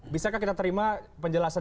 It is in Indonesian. bisakah kita terima penjelasan